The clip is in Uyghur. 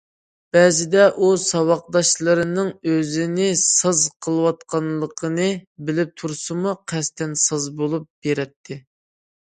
بەزىدە ئۇ ساۋاقداشلىرىنىڭ ئۆزىنى ساز قىلىۋاتقانلىقىنى بىلىپ تۇرسىمۇ قەستەن ساز بولۇپ بېرەتتى.